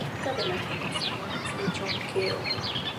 La música de la banda sonora es de John Cale.